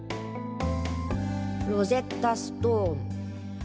ロゼッタストーン。